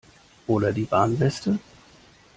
Oder die Warnweste?